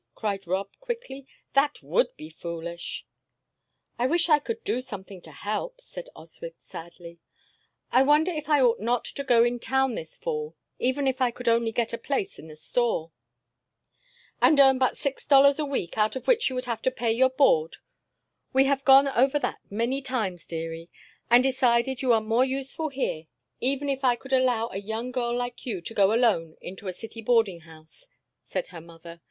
cried Rob, quickly. "That would be foolish!" "I wish I could do something to help," said Oswyth, sadly. "I wonder if I ought not to go in town this fall, even if I could only get a place in a store." "And earn but six dollars a week, out of which you would have to pay your board? We have gone over that many times, dearie, and decided you are more useful here, even if I could allow a young girl like you to go alone into a city boarding house," said her mother.